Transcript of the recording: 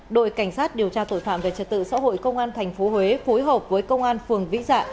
đội cảnh sát điều tra tội phạm về trật tự xã hội công an tp huế phối hợp với công an phường vĩ dạ